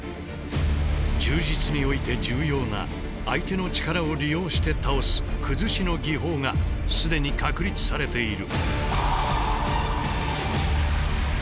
柔術において重要な相手の力を利用して倒す崩しの技法が既に確立されている。